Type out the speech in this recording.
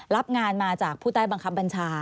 รับงานมาจากผู้ใต้บังคับบัญชา